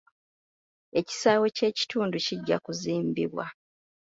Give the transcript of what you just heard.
Ekisaawe ky'ekitundu kijja kuzimbibwa.